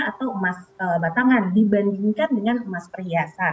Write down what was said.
atau emas batangan dibandingkan dengan emas perhiasan